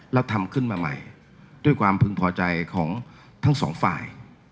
แล้วทำขึ้นมาใหม่ด้วยความพึงพอใจของทั้งสองฝ่าย